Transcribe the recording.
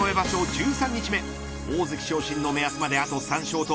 １３日目大関昇進の目安まであと３勝と